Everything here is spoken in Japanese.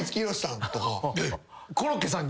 コロッケさんに？